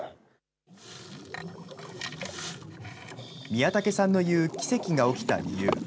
宮武さんの言う奇跡が起きた理由。